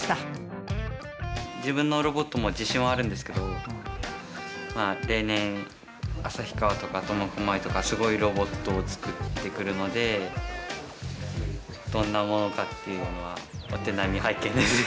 自分のロボットも自信はあるんですけど例年旭川とか苫小牧とかすごいロボットを作ってくるのでどんなものかっていうのはお手並み拝見ですね。